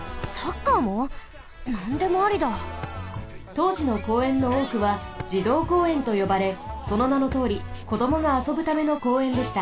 とうじの公園のおおくは児童公園とよばれそのなのとおりこどもがあそぶための公園でした。